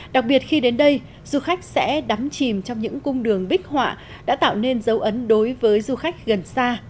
đặc biệt khi đến đây du khách sẽ đắm chìm trong những cung đường bích họa đã tạo nên dấu ấn đối với du khách gần xa